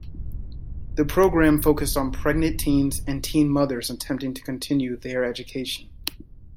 The program focused on pregnant teens and teen mothers, attempting to continue their education.